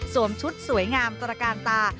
สวมชุดสวยงามตรการตา